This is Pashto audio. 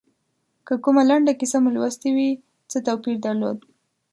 که کومه لنډه کیسه مو لوستي وي څه توپیر درلود.